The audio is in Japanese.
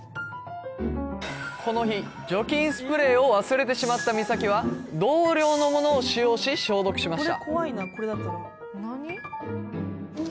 この日除菌スプレーを忘れてしまった美咲は同僚のものを使用し消毒しました